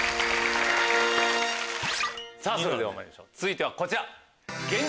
それではまいりましょう続いてはこちら。